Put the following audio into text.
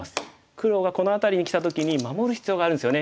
黒がこの辺りにきた時に守る必要があるんですよね。